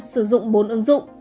sử dụng bốn ứng dụng